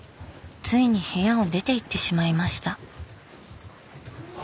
ついに部屋を出ていってしまいました。